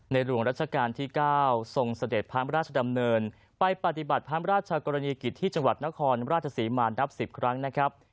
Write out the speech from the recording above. หลวงรัชกาลที่๙ทรงเสด็จพระราชดำเนินไปปฏิบัติพระราชกรณีกิจที่จังหวัดนครราชศรีมานับ๑๐ครั้งนะครับ